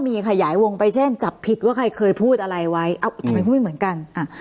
มีขยายวงไปเช่นจับผิดว่าใครเคยพูดอะไรไว้เอ้าทำไมพูดไม่เหมือนกันอ่า